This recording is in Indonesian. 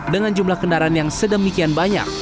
dengan jumlah kendaraan yang sedemikian banyak